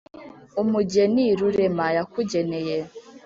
Umugeni Rurema yakugeneye